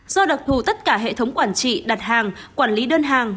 do đặc thù tất cả hệ thống quản trị đặt hàng quản lý đơn hàng